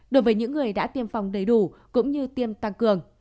đối với những người đã tiêm phòng đầy đủ cũng như tiêm tăng cường